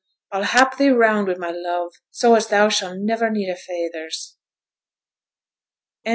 I'll hap thee round wi' my love, so as thou shall niver need a feyther's.'